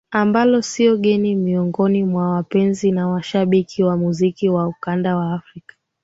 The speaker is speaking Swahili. ambalo siyo geni miongoni mwa wapenzi na washabiki wa muziki wa ukanda wa Afrika